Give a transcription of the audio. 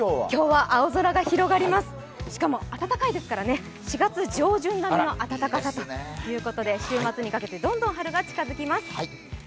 今日は青空が広がりますしかも暖かいですからね、４月上旬並みの暖かさということで週末にかけてどんどん春が近づきます。